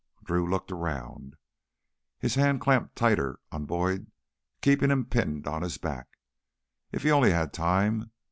Drew looked around. His hand clamped tighter on Boyd, keeping him pinned on his back. If he only had time